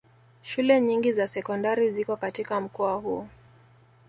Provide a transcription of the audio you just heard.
Shule nyingi za sekondari ziko katika mkoa huu